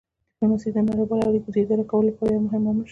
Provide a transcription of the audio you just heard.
ډیپلوماسي د نړیوالو اړیکو د اداره کولو لپاره یو مهم عامل شوه